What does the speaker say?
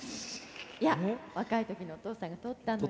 いや若い時のお父さんが撮ったのよ。